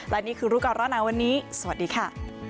และนี่คือรูปกรณ์เรานะวันนี้สวัสดีค่ะ